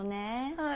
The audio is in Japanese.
はい。